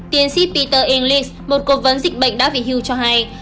tiến ship peter englis một cố vấn dịch bệnh đã về hưu cho hay